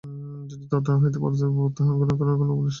যদি তথা হইতে প্রত্যাহরণ করিবার কোন উপায় থাকে চেষ্টা দেখুন।